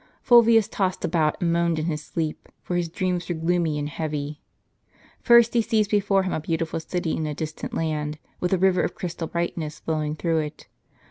Fulvius tossed about and moaned in his sleep, for his dreams were gloomy and heav}' . First he sees before him a beautiful city in a distant land, with a river of crystal brightness flowing through it.